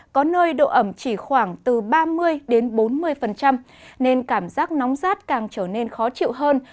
có nơi độ ẩm chỉ khoảng từ ba mươi bốn mươi nên cảm giác nóng rát càng trở nên khó chịu hơn